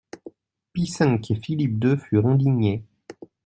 Pie cinq et Philippe deux furent indignés.